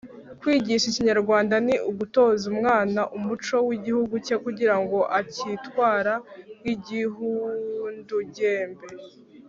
Kwigisha ikinyarwanda ni ugutoza umwana umuco w’igihugu cye kugira ngo atitwara nk’igihuindugembe.